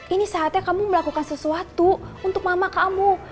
ini saatnya kamu melakukan sesuatu untuk mama kamu